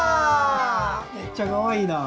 めっちゃかわいいな。